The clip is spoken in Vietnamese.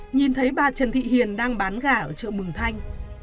nhìn thấy bà trần thị hiền đang bán gà ở chợ mường thanh